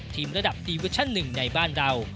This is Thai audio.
ระดับดีเวอร์ชั่นหนึ่งในบ้านเรา